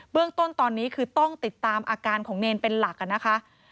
เรื่องต้นตอนนี้คือต้องติดตามอาการของเนรเป็นหลักนะคะ